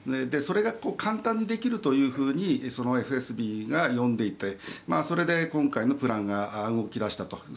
それが簡単にできるというふうにＦＳＢが読んでいてそれで今回のプランが動き出したと。